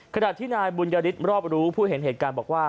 ขณะที่นายบุญยฤทธิรอบรู้ผู้เห็นเหตุการณ์บอกว่า